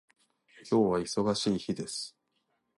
今日は忙しい日です。